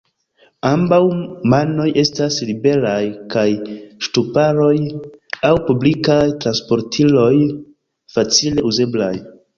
Ambaŭ manoj estas liberaj kaj ŝtuparoj aŭ publikaj transportiloj facile uzeblaj.